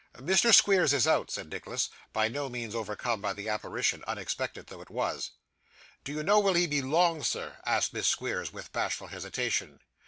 'Mr. Squeers is out,' said Nicholas, by no means overcome by the apparition, unexpected though it was. 'Do you know will he be long, sir?' asked Miss Squeers, with bashful hesitation.